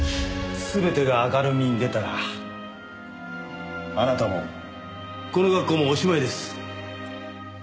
全てが明るみに出たらあなたもこの学校もおしまいです。